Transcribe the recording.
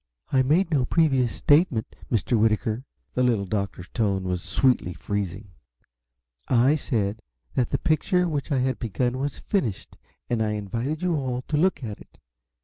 "I made no previous statement, Mr. Whitaker." The Little Doctor's tone was sweetly freezing. "I said that the picture which I had begun was finished, and I invited you all to look at it.